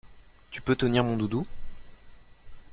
Tu peux tenir mon doudou?